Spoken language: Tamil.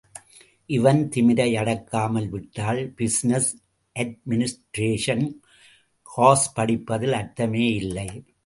இவன், திமிரை அடக்காமல் விட்டால், பிஸினஸ் அட்மினிஷ்ட்ரேஷன் கோர்ஸ் படித்ததில் அர்த்தமே இல்லை.